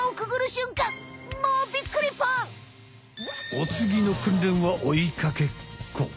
おつぎのくんれんは追いかけっこ。